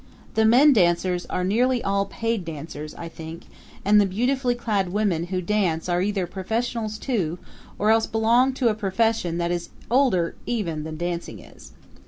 The men dancers are nearly all paid dancers, I think, and the beautifully clad women who dance are either professionals, too, or else belong to a profession that is older even than dancing is.